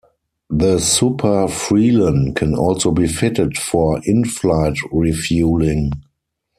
The Super Frelon can also be fitted for inflight refueling.